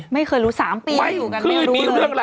ไม่เคยรู้๓ปีก็อยู่กันเมรู้เลย